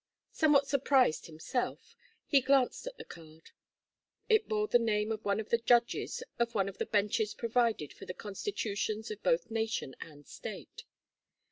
Somewhat surprised himself, he glanced at the card. It bore the name of one of the judges of one of the benches provided for by the constitutions of both nation and State.